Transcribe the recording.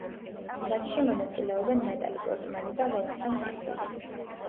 მასში მონაწილეობენ ნატალი პორტმანი და ვენსან კასელი.